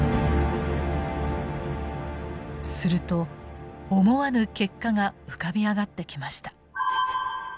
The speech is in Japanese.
すると思わぬ結果が浮かび上がってきました。